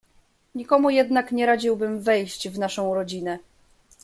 "Nikomu jednak nie radziłbym wejść w naszą rodzinę."